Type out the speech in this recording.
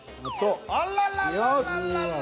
あらららららら。